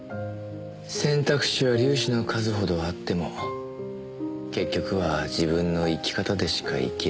選択肢は粒子の数ほどあっても結局は自分の生き方でしか生きられない。